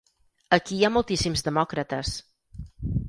Aquí hi ha moltíssims demòcrates.